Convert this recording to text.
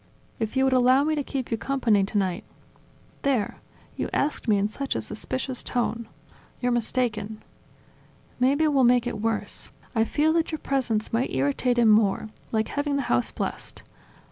"If you would allow me to keep you company tonight ..." "There: you asked me in such a suspicious tone ..." "You're mistaken." "Maybe we'll make it worse: I fear that your presence might irritate him more, like having the house blessed.